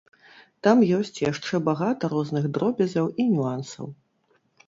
Там ёсць яшчэ багата розных дробязяў і нюансаў.